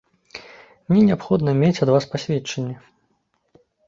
Мне неабходна мець ад вас пасведчанне.